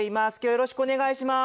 よろしくお願いします。